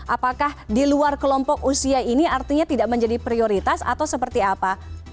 apakah di luar kelompok usia ini artinya tidak menjadi prioritas atau seperti apa